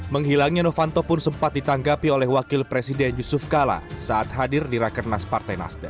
menghilangnya novanto pun sempat ditanggapi oleh wakil presiden yusuf kala saat hadir di rakernas partai nasdem